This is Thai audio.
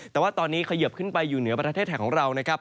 แต่ว่าตอนนี้เขยิบขึ้นไปอยู่เหนือประเทศไทยของเรานะครับ